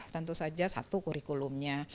tentu saja satu kurikulumnya